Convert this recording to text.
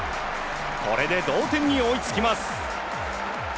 これで同点に追いつきます。